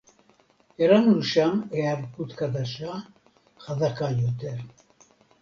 הרמנו שם היערכות חדשה, חזקה יותר